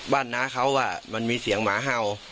บ้านน้าเขาว่ามันมีเสียงหมาเห่า